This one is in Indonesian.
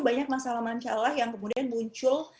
banyak masalah masalah yang kemudian muncul